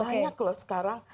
banyak loh sekarang